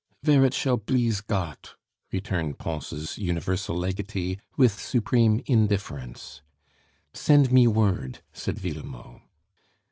"Vere it shall blease Gott," returned Pons' universal legatee with supreme indifference. "Send me word," said Villemot.